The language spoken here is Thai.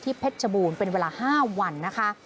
เพชรชบูรณ์เป็นเวลา๕วันนะคะ